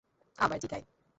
আবার জিগায়!